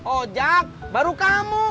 ojak baru kamu